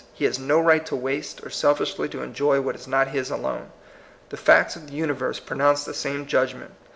He has no right to waste or selfishly to enjoy what is not his alone. The facts of the universe pronounce the same judgment.